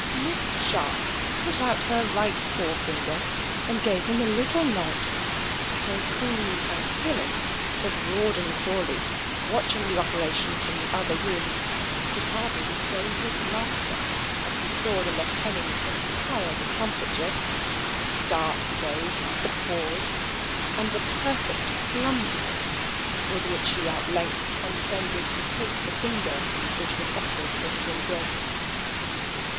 Miss Sharp put out her right forefinger, and gave him a little nod, so cool and killing, that Rawdon Crawley, watching the operations from the other room, could hardly restrain his laughter as he saw the Lieutenant's entire discomfiture; the start he gave, the pause, and the perfect clumsiness with which he at length condescended to take the finger which was offered for his embrace.